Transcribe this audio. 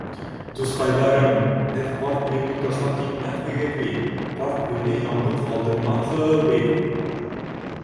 Дуҫҡайҙарым, һеҙ ҡарт Пьюны ташлап китмәҫһегеҙ бит, ҡарт Пьюны яңғыҙ ҡалдырмаҫһығыҙ бит!